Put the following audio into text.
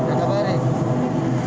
jualan di jaka baring